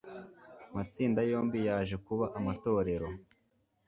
matsinda yombi yaje kuba amatorero